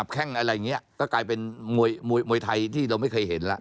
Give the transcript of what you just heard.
แข้งอะไรอย่างนี้ก็กลายเป็นมวยไทยที่เราไม่เคยเห็นแล้ว